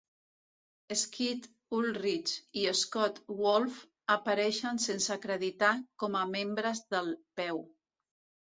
Skeet Ulrich i Scott Wolf apareixen sense acreditar com a membres del Peu.